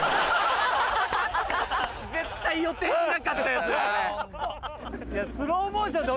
絶対予定になかったやつだね。